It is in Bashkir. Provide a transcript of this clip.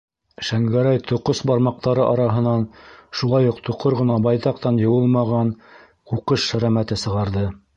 - Шәңгәрәй тоҡос бармаҡтары араһынан шулай уҡ тоҡор ғына, байтаҡтан йыуылмаған ҡуҡыш шәрәмәте сығарҙы.